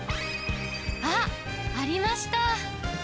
あっ、ありました。